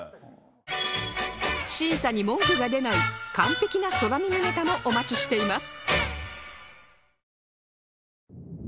審査に文句が出ない完璧な空耳ネタもお待ちしています